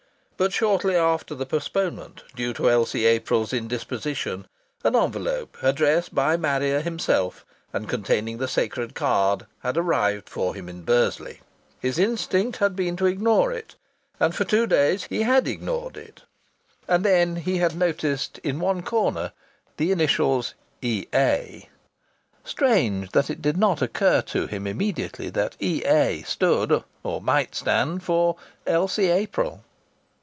But shortly after the postponement due to Elsie April's indisposition an envelope addressed by Marrier himself, and containing the sacred card, had arrived for him in Bursley. His instinct had been to ignore it, and for two days he had ignored it, and then he noticed in one corner the initials, "E.A." Strange that it did not occur to him immediately that E.A. stood, or might stand, for Elsie April!